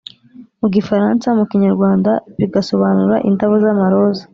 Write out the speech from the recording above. mu gifaransa; mu kinyarwanda bigasobanura “indabo z’amaroza